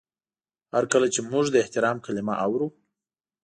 هر کله چې موږ د احترام کلمه اورو